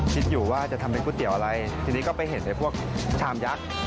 คิดอยู่ว่าจะทำเป็นก๋วยเตี๋ยวอะไรทีนี้ก็ไปเห็นไอ้พวกชามยักษ์